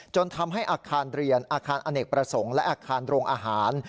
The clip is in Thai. จนทำให้อาคารเรียนอาคารอเนกประสงค์และอาคารโรงอาหาร